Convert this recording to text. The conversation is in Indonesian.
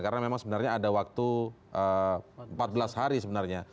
karena memang sebenarnya ada waktu empat belas hari sebenarnya